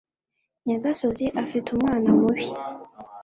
nyagasozi afite umwana mubi